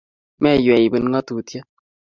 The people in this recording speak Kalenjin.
Meywei iput ngatutiet